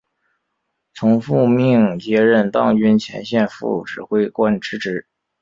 从父命接任藏军前线副指挥官之职。